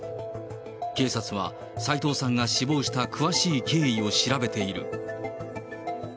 警察は斎藤さんが死亡した詳しい経緯を調べている。